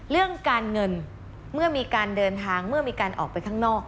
เรื่องการเงินเมื่อมีการเดินทางเมื่อมีการออกไปข้างนอก